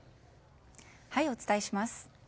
お伝えします。